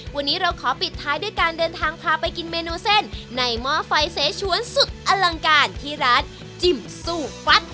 วันนี้เราขอปิดท้ายด้วยการเดินทางพาไปกินเมนูเส้นในหม้อไฟเสชวนสุดอลังการที่ร้านจิ้มซูฟัด